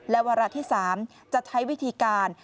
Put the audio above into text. และวาระที่๓จะใช้วิธีการ